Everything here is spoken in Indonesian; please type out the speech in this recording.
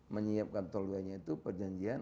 menyiapkan tolway nya itu perjanjian